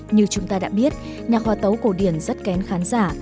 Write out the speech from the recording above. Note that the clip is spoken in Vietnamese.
như chúng ta đã biết nhạc hòa tấu cổ điển rất kén khán giả